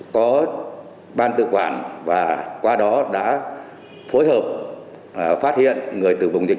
có ban tự quản và qua đó đã phối hợp phát hiện người từ vùng dịch